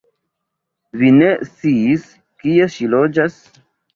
Vi ne sciis, kie ŝi loĝas?